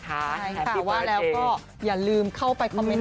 แฮปปี้บอร์สเตย์ใช่ค่ะว่าแล้วก็อย่าลืมเข้าไปคอมเมนต์